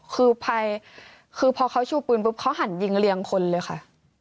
คือพอเขาชูปืนปุ๊บเขาหันยิงเรียงคนเลยค่ะ